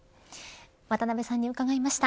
渡辺さんに伺いました。